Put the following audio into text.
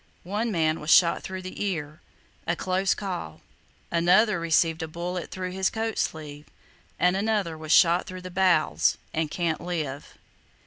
One man was shot through the ear,—a close call; another received a bullet through his coat sleeve, and another was shot through the bowels and can't live.